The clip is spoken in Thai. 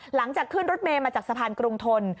หลังจากขึ้นรถเมย์มาจากสะพานกรุงทน